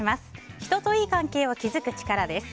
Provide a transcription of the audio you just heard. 人と良い関係を築く力です。